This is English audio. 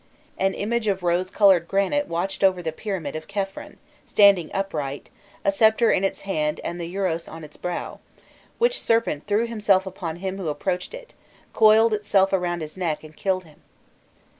An image of rose coloured granite watched over the pyramid of Khephren, standing upright, a sceptre in its hand and the urous on its brow, "which serpent threw himself upon him who approached it, coiled itself around his neck, and killed him."